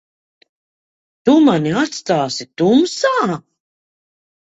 Tu mani atstāsi tumsā?